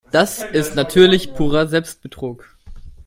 Das ist natürlich purer Selbstbetrug.